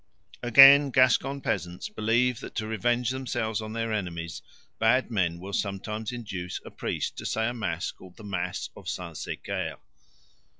Again, Gascon peasants believe that to revenge themselves on their enemies bad men will sometimes induce a priest to say a mass called the Mass of Saint Sécaire.